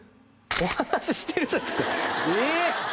お話ししてるじゃないですかえ！